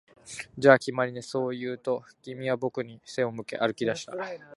「じゃあ、決まりね」、そう言うと、君は僕に背を向け歩き出した